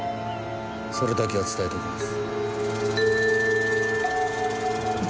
それだけは伝えておきます。